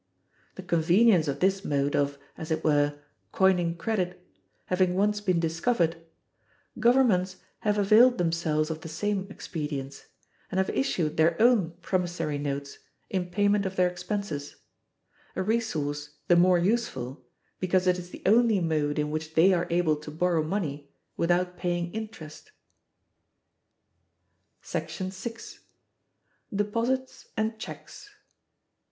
The convenience of this mode of (as it were) coining credit having once been discovered, governments have availed themselves of the same expedient, and have issued their own promissory notes in payment of their expenses; a resource the more useful, because it is the only mode in which they are able to borrow money without paying interest. § 6. Deposits and Checks.